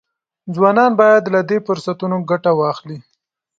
ځوانان باید له دې فرصتونو ګټه واخلي.